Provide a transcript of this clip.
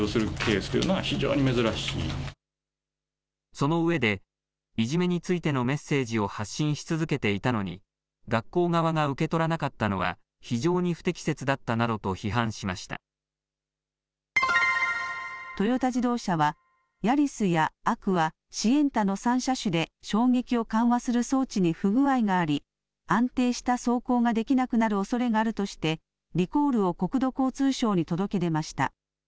その上で、いじめについてのメッセージを発信し続けていたのに、学校側が受け取らなかったのは非常に不適切だったなどと批判しまトヨタ自動車は、ヤリスやアクア、シエンタの３車種で衝撃を緩和する装置に不具合があり、安定した走行ができなくなるおそれがあるとして、リコールを国土交通省に届け出ました。